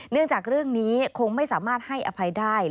จากเรื่องนี้คงไม่สามารถให้อภัยได้